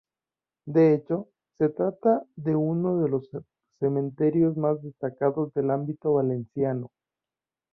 De hecho, se trata de uno de los cementerios más destacados del ámbito valenciano.